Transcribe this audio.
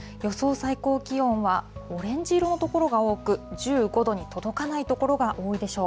最高気温はオレンジ色の所が多く、１５度に届かない所が多いでしょう。